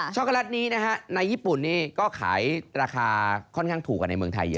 ็อกโกแลตนี้นะฮะในญี่ปุ่นนี่ก็ขายราคาค่อนข้างถูกกว่าในเมืองไทยเยอะ